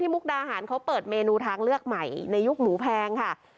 ไม่กินแล้วกินนูดีกว่า